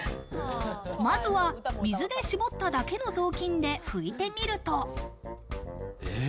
まずは水で絞っただけの雑巾で拭いてみると。